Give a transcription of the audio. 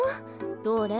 どれ。